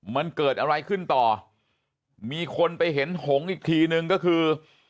มันเกิดอะไรขึ้นต่อมีคนไปเห็นหงอีกทีนึงก็คือ